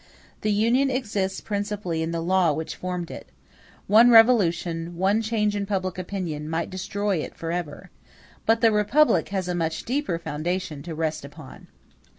The Union exists principally in the law which formed it; one revolution, one change in public opinion, might destroy it forever; but the republic has a much deeper foundation to rest upon.